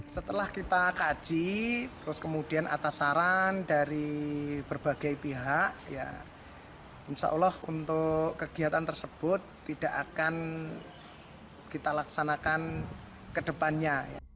setelah kita kaji terus kemudian atas saran dari berbagai pihak insya allah untuk kegiatan tersebut tidak akan kita laksanakan ke depannya